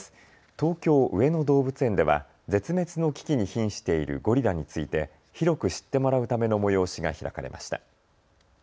東京上野動物園では絶滅の危機にひんしているゴリラについて広く知ってもらうための催しが開かれました。